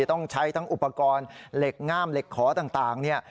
ต้องใช้ทั้งอุปกรณ์เหล็กง่ามเหล็กขอต่างเนี่ย